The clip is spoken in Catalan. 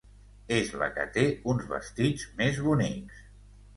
És la que té uns vestits més bonics.